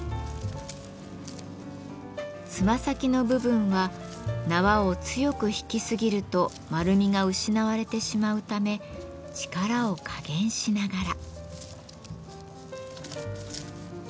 つま先の部分は縄を強く引きすぎると丸みが失われてしまうため力を加減しながら。